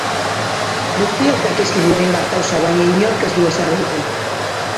Guztiok dakizkigu hainbat gauza, baina inork ez du ezer egiten.